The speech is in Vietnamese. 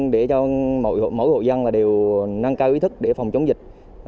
để cho mỗi hộ dân đều nâng cao ý thức để phòng chống dịch